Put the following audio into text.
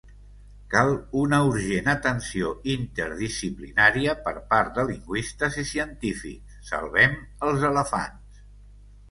Cal una urgent atenció interdisciplinària per part de lingüistes i científics. Salvem els elefants!